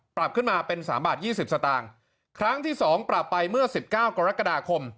ปรับขึ้นมาเป็นสามบาท๒๐สตางค์ครั้งที่สองปรับไปเมื่อ๑๙กรกฎาคม